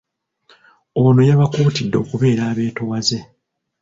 Ono yabakuutidde okubeera abeetoowaze